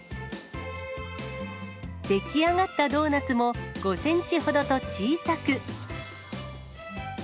出来上がったドーナツも、５センチほどと小さく。